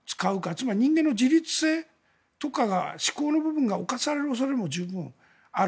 つまり人間の自律性とか思考の部分が侵される恐れもある。